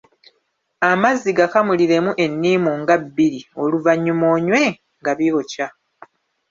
Amazzi gakamuliremu ennimu nga bbiri oluvannyuma onywe nga byookya.